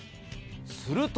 すると。